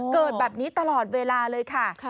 เกิดแบบนี้ตลอดเวลาเลยค่ะ